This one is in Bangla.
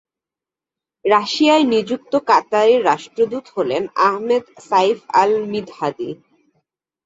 রাশিয়ায় নিযুক্ত কাতারের রাষ্ট্রদূত হলেন, আহমেদ সাইফ আল-মিদহাদী।